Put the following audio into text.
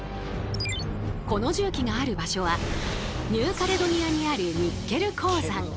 この重機がある場所はニューカレドニアにあるニッケル鉱山。